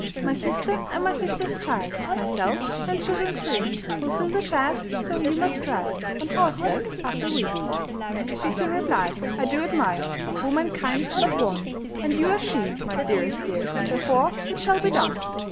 "My sister, and my sister's child, Myself, and children three, Will fill the chaise; so you must ride On horseback after we." [Illustration: The Linendraper bold] He soon replied, "I do admire Of womankind but one, And you are she, my dearest dear, Therefore it shall be done.